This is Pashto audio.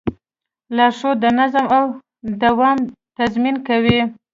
لارښود د نظم او دوام تضمین کوي.